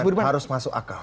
dan harus masuk akal